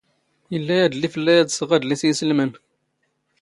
ⵉⵍⵍⴰ ⴰⴷⵍⵍⵉ ⴼⵍⵍⴰ ⴰⴷ ⵙⵖⵖ ⴰⴷⵍⵉⵙ ⵏ ⵉⵙⵍⵎⴰⵏ.